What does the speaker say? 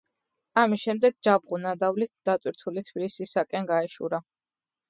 ამის შემდეგ ჯაბღუ ნადავლით დატვირთული თბილისისაკენ გაეშურა.